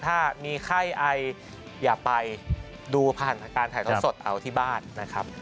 ถ้ามีไข้ไออย่าไปดูผ่านการถ่ายทอดสดเอาที่บ้านนะครับ